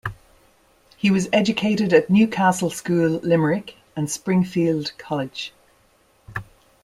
He was educated at Newcastle School, Limerick, and Springfield College.